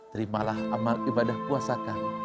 terimalah amal ibadah puasa kami